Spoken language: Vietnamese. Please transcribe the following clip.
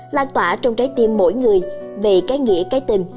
lan tỏa trong trái tim mỗi người về cái nghĩa cái tình